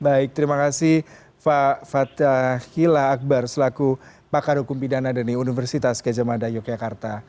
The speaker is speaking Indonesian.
baik terima kasih fathahila akbar selaku pakar hukum pidana dari universitas kejamada yogyakarta